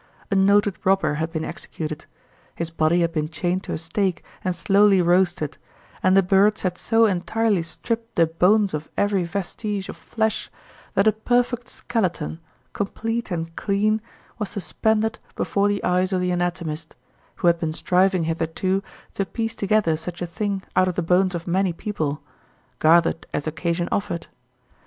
A noted robber had been executed. His body had been chained to a stake and slowly roasted; and the birds had so entirely stripped the bones of every vestige of flesh, that a perfect skeleton, complete and clean, was suspended before the eyes of the anatomist, who had been striving hitherto to piece together such a thing out of the bones of many people, gathered as occasion offered.